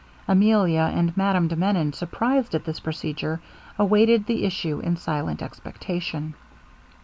Emilia and Madame de Menon, surprised at this procedure, awaited the issue in silent expectation.